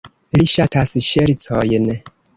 Li ŝatas ŝercojn.